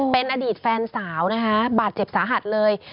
เป็นอดีตแฟนสาวนะคะบาดเจ็บสาหัสเลย